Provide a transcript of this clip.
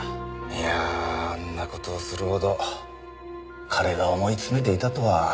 いやぁあんな事をするほど彼が思い詰めていたとは。